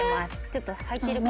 ちょっと入ってるか。